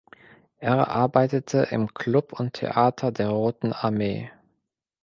Er arbeitete im Klub und Theater der Roten Armee.